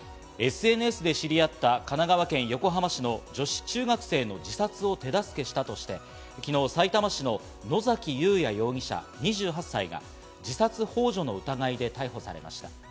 ＳＮＳで知り合った神奈川県横浜市の女子中学生の自殺を手助けしたとして、昨日、さいたま市の野崎祐也容疑者、２８歳が自殺ほう助の疑いで逮捕されました。